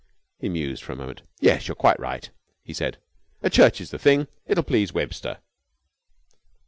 He mused for a moment. "Yes, you're quite right," he said. "A church is the thing. It'll please Webster."